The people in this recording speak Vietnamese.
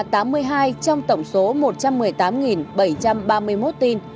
trong tổng số một trăm một mươi tám bảy trăm ba mươi một tin